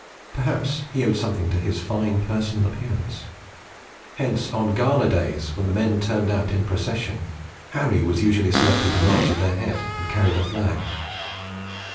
Perhaps he owed something to his fine personal appearance. Hence on gala days, when the men turned out in procession, "Harry" was usually selected to march at their head and carry the flag.